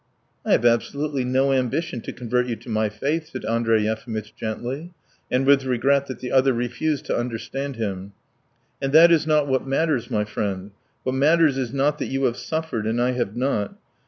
"I have absolutely no ambition to convert you to my faith," said Andrey Yefimitch gently, and with regret that the other refused to understand him. "And that is not what matters, my friend; what matters is not that you have suffered and I have not.